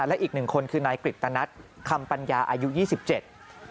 และอีกหนึ่งคนคือนายกริตนัทคำปัญญาอายุยี่สิบเจ็ด